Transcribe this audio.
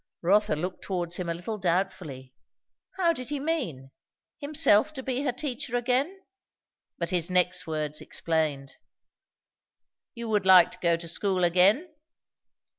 Rotha looked towards him a little doubtfully. How did he mean? Himself to be her teacher again? But his next words explained. "You would like to go to school again?"